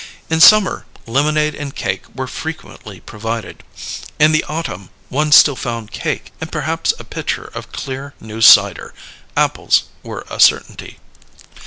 In summer, lemonade and cake were frequently provided; in the autumn, one still found cake, and perhaps a pitcher of clear new cider: apples were a certainty.